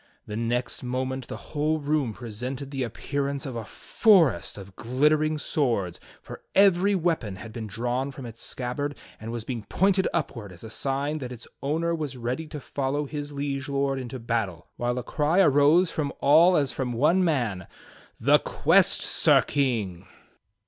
The next moment the whole room presented the appearance of a forest of glittering swords, for every weapon had been drawn from its seabbard and was being pointed upward as a sign that its owner was ready to follow his Liege Lord into battle, while a cry arose from all as from one man, "The quest. Sir King!"